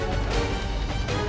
aku ada angka